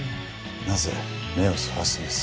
なぜ目をそらすんです？